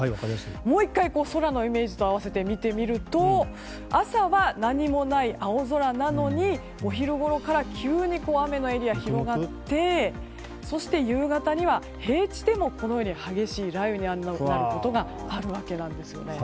もう１回、空のイメージと併せて見てみると朝は何もない青空なのにお昼ごろから急に雨のエリア、広がってそして夕方には平地でも激しい雷雨になることがあるわけなんです。